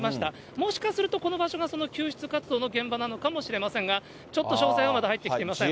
もしかするとこの場所がその救出活動の現場なのかもしれませんが、ちょっと詳細はまだ入ってきていません。